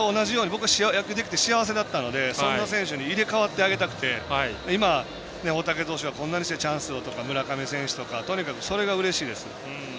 僕は野球できて幸せだったんでそんな選手に入れ代わってあげたくて今、大竹投手がこんなふうにチャンスをあと、村上選手がとか。とにかく、それがうれしいです。